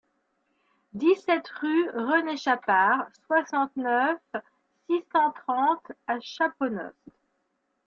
dix-sept rue René Chapard, soixante-neuf, six cent trente à Chaponost